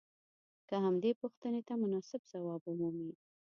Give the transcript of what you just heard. که همدې پوښتنې ته مناسب ځواب ومومئ.